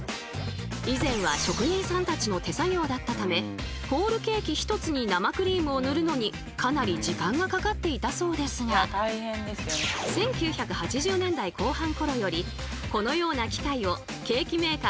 以前は職人さんたちの手作業だったためホールケーキ１つに生クリームを塗るのにかなり時間がかかっていたそうですがということで突然ですがここでカネオクイズ！